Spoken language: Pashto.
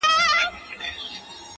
دا ناځوانه نور له كاره دى لوېــدلى،